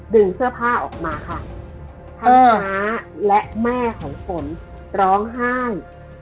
เสื้อผ้าออกมาค่ะทั้งน้าและแม่ของฝนร้องไห้